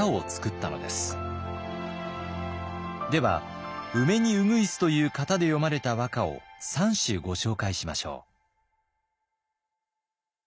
では「梅に鶯」という型で詠まれた和歌を３首ご紹介しましょう。